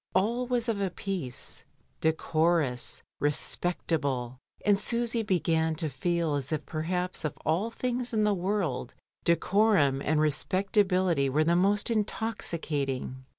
All was of a piece; decorous, respectable, and Susy began to feel as if perhaps of all things in the world de corum and respectability were the most intoxicating.